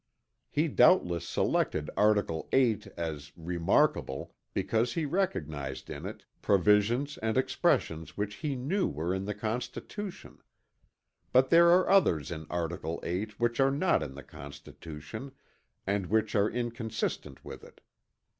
He doubtless selected article VIII as "remarkable" because he recognized in it provisions and expressions which he knew were in the Constitution. But there are others in article VIII which are not in the Constitution and which are inconsistent with it.